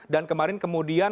dan kemarin kemudian